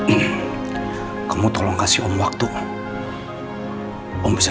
iya aku bagi duit